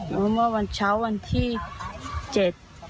เมื่อวันเช้าวันที่เจ็ด